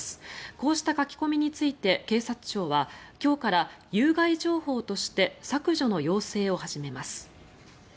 こうした書き込みについて警察庁は今日から有害情報として削除の要請を始めます。